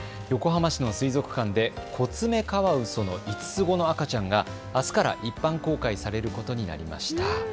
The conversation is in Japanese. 横浜市の水族館でコツメカワウソの５つ子の赤ちゃんが、あすから一般公開されることになりました。